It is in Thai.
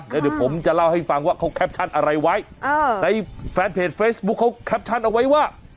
แล้วเดี๋ยวผมจะเล่าให้ฟังว่าเขาแคปชั่นอะไรไว้ในแฟนเพจเฟซบุ๊คเขาแคปชั่นเอาไว้ว่า